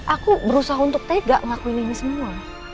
aku berusaha untuk tega ngelakuin ini semua